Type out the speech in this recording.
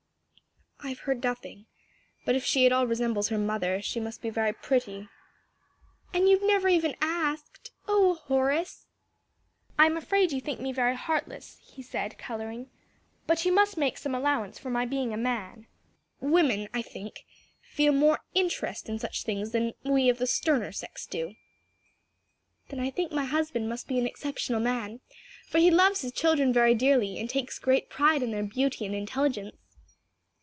"I have heard nothing; but if she at all resembles her mother, she must be very pretty." "And you have never even asked! O Horace!" "I'm afraid you think me very heartless," he said, coloring. "But you must make some allowance for my being a man. Women, I think, feel more interest in such things than we of the sterner sex do." "Then I think my husband must be an exceptional man, for he loves his children very dearly, and takes great pride in their beauty and intelligence."